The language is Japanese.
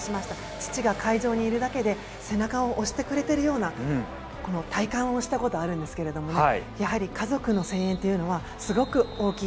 父が会場にいるだけで背中を押してくれてるような体感をしたことがありますがやはり家族の声援はすごく大きい。